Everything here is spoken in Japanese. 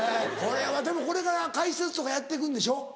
これはでもこれから解説とかやって行くんでしょ？